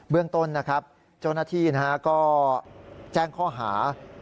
เบื้องตนนะครับโจนทีก็แจ้งข้อหา